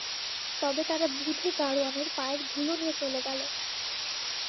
তবে তারা বুধে গাড়োয়ানের পায়ের ধুলো নিয়ে চলে গেল।